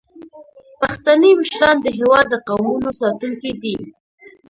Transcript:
پښتني مشران د هیواد د قومونو ساتونکي دي.